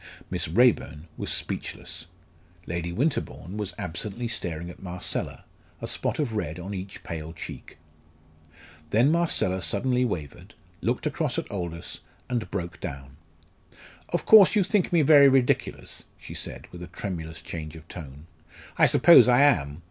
Miss Raeburn was speechless. Lady Winterbourne was absently staring at Marcella, a spot of red on each pale cheek. Then Marcella suddenly wavered, looked across at Aldous, and broke down. "Of course, you think me very ridiculous," she said, with a tremulous change of tone. "I suppose I am.